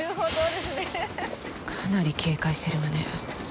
かなり警戒してるわね